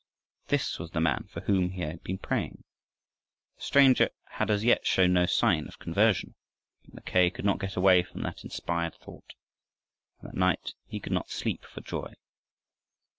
This was the man for whom he had been praying. The stranger had as yet shown no sign of conversion, but Mackay could not get away from that inspired thought. And that night he could not sleep for joy.